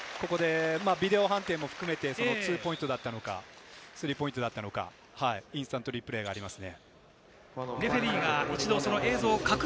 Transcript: ビデオ判定も含めてツーポイントなのかスリーポイントなのかインスタントリプレイがありますね。